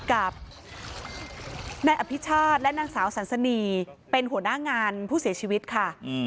กับนายอภิชาติและนางสาวสันสนีเป็นหัวหน้างานผู้เสียชีวิตค่ะ